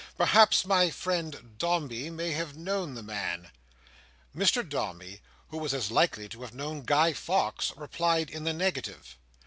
Perhaps my friend Dombey may have known the man?" Mr Dombey, who was as likely to have known Guy Fawkes, replied in the negative.